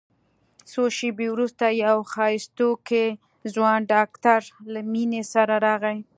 څو شېبې وروسته يو ښايستوکى ځوان ډاکتر له مينې سره راغى.